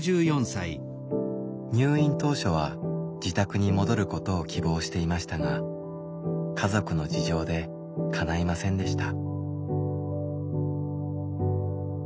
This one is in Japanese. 入院当初は自宅に戻ることを希望していましたが家族の事情でかないませんでした。